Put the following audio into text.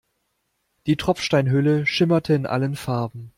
Die Tropfsteinhöhle schimmerte in allen Farben.